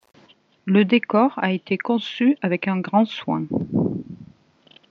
Le décor a été conçu avec un grand soin.